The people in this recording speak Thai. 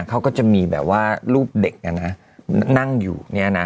เขาก็จะมีแบบว่ารูปเด็กนั่งอยู่เนี่ยนะ